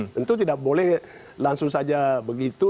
tentu tidak boleh langsung saja begitu